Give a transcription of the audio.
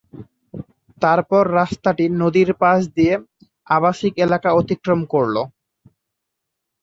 তারপর রাস্তাটি নদীর পাশ দিয়ে আবাসিক এলাকা অতিক্রম করে।